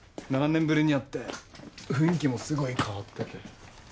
７年ぶりに会って雰囲気もすごい変わってて。